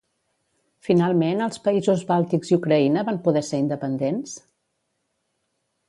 Finalment els països bàltics i Ucraïna van poder ser independents?